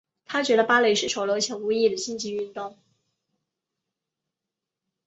她觉得芭蕾是丑陋且无意义的竞技运动。